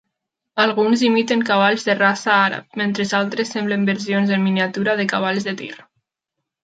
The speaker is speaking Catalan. Alguns imiten cavalls de raça àrab, mentre altres semblen versions en miniatura de cavalls de tir.